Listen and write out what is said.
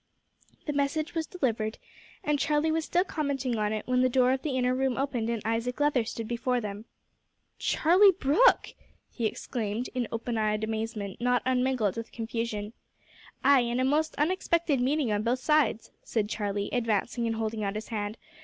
The message was delivered, and Charlie was still commenting on it, when the door of the inner room opened and Isaac Leather stood before them. "Charlie Brooke!" he exclaimed, in open eyed amazement, not unmingled with confusion. "Ay, and a most unexpected meeting on both sides," said Charlie, advancing and holding out his hand.